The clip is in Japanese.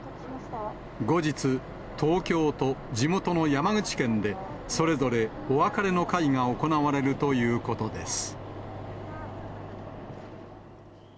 後日、東京と地元の山口県で、それぞれお別れの会が行われるということです。